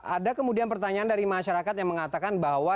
ada kemudian pertanyaan dari masyarakat yang mengatakan bahwa